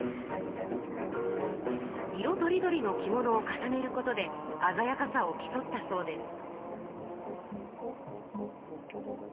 色とりどりの着物を重ねることであざやかさをきそったそうです。